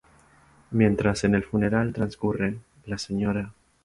Mientras el funeral transcurre, la sra.